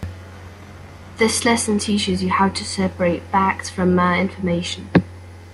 This lesson teaches you how to separate "facts" from mere "information.